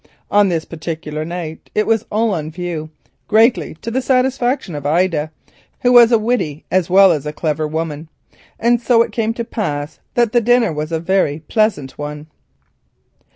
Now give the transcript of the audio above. On this particular night it was all on view, greatly to the satisfaction of Ida, who was a witty as well as a clever woman. And so it came to pass that the dinner was a very pleasant one.